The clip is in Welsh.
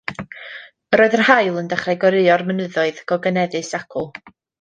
Yr oedd yr haul yn dechrau goreuro'r mynyddoedd gogoneddus acw.